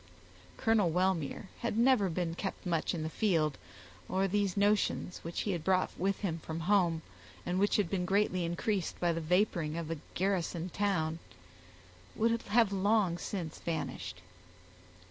Colonel Wellmere had never been kept much in the field, or these notions, which he had brought with him from home, and which had been greatly increased by the vaporing of a garrisoned town, would have long since vanished.